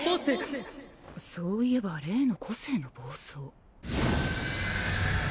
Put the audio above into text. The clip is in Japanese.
そういえば例の個性の暴走。